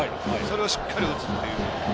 それをしっかり打つっていう。